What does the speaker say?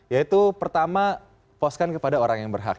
yaitu pertama poskan kepada orang yang berhak